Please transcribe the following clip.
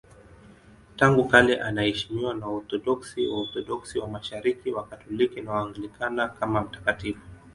Tangu kale anaheshimiwa na Waorthodoksi, Waorthodoksi wa Mashariki, Wakatoliki na Waanglikana kama mtakatifu.